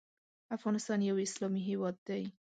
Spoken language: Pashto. افغانستان یو اسلامی هیواد دی .